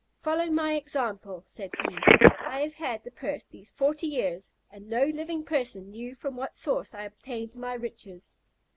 "Follow my example," said he: "I have had the purse these forty years, and no living person knew from what source I obtained my riches."